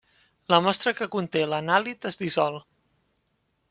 La mostra que conté l'anàlit es dissol.